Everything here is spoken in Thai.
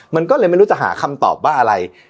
มันก็เลยไม่รู้จะหาคำตอบว่าอะไร